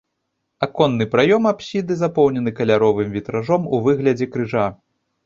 Аконны праём апсіды запоўнены каляровым вітражом у выглядзе крыжа.